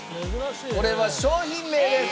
これは商品名です！